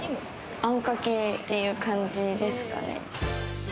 あんかけという感じですかね。